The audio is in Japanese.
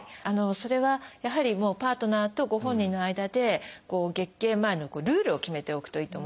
それはやはりパートナーとご本人の間で月経前のルールを決めておくといいと思うんですよね。